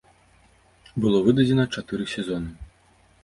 Было выдадзена чатыры сезоны.